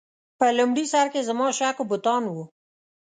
په لومړي سر کې زما شک بتان و.